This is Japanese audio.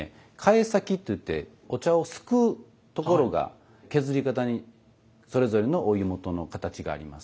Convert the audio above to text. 櫂先といってお茶をすくうところが削り方にそれぞれのお家元の形があります。